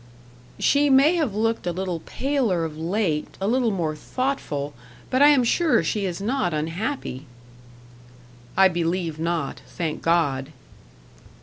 "She may have looked a little paler of late, a little more thoughtful. But I am sure she is not unhappy." "I believe not thank God!"